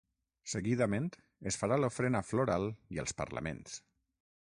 Seguidament, es farà l’ofrena floral i els parlaments.